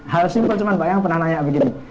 hal simpel cuma mbak kayang pernah nanya begini